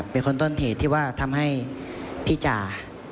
เป็นคนต้นเหตุที่ว่าทำให้พี่จ่า